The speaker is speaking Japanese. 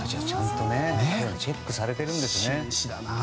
ちゃんとチェックされているんですね。